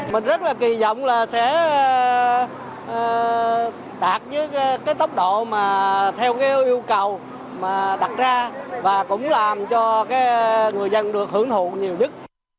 mình rất là kỳ vọng là sẽ đạt với cái tốc độ mà theo cái yêu cầu mà đặt ra và cũng làm cho cái người dân được hưởng thụ nhiều nhất